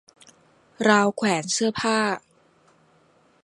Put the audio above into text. ราวแขวนเสื้อผ้า